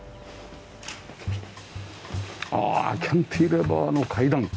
ああキャンティレバーの階段。